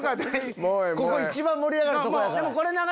ここ一番盛り上がるとこやから。